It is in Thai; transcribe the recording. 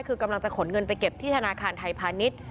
คือกำลังจะขนเงินไปเก็บที่ธนาคารไทยพาณิชย์